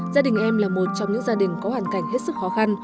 gia đình em là một trong những gia đình có hoàn cảnh hết sức khó khăn